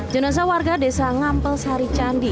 jenazah warga desa ngampel sari candi